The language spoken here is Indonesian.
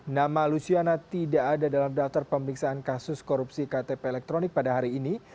nama luciana tidak ada dalam daftar pemeriksaan kasus korupsi ktp elektronik pada hari ini